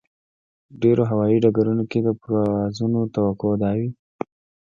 ډېرو هوایي ډګرونو کې د پروازونو توقع دا وي.